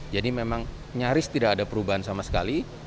jadi memang nyaris tidak ada perubahan sama sekali